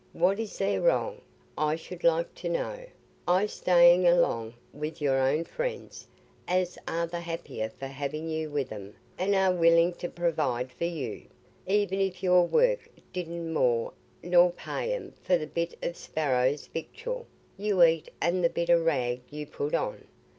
What is there wrong, I should like to know, i' staying along wi' your own friends, as are th' happier for having you with 'em an' are willing to provide for you, even if your work didn't more nor pay 'em for the bit o' sparrow's victual y' eat and the bit o' rag you put on?